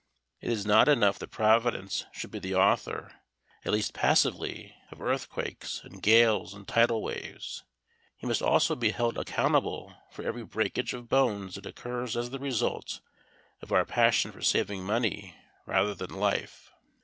It is not enough that Providence should be the author, at least passively, of earthquakes and gales and tidal waves. He must also be held accountable for every breakage of bones that occurs as the result of our passion for saving money rather than life.